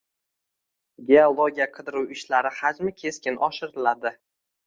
Geologiya-qidiruv ishlari hajmi keskin oshiriladi